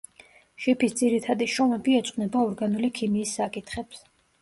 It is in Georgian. შიფის ძირითადი შრომები ეძღვნება ორგანული ქიმიის საკითხებს.